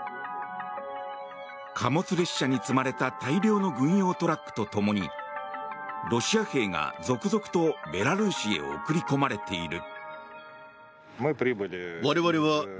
貨物列車に積まれた大量の軍用トラックとともにロシア兵が続々とベラルーシへ送り込まれている。